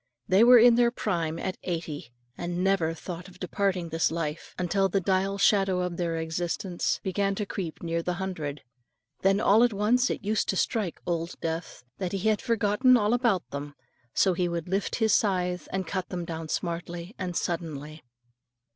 They were in their prime at eighty, and never thought of departing this life, until the dial shadow of their existence began to creep near the hundred. Then all at once it used to strike Old Death, that he had forgotten all about them, so he would lift his scythe, and cut them down smartly and suddenly.